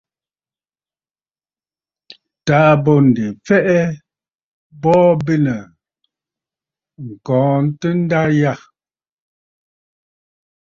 Taà bô ǹdè fɛʼɛ, bɔɔ bênə̀ ŋ̀kɔɔntə nda yâ.